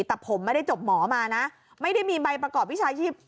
แต่ผมไม่ได้จบหมอมานะไม่ได้มีใบประกอบวิชาชีพ